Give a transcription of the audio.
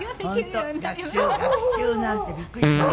本当学習なんてびっくりします。